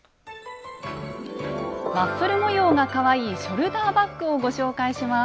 ワッフル模様がかわいいショルダーバッグをご紹介します。